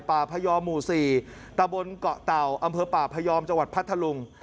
พยอมหมู่๔ตะบนเกาะเต่าอำเภอป่าพยอมจังหวัดพัทธลุง